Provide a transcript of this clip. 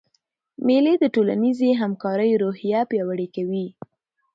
مېلې د ټولنیزي همکارۍ روحیه پیاوړې کوي.